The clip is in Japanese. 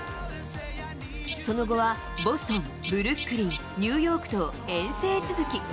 その後は、ボストン、ブルックリン、ニューヨークと遠征続き。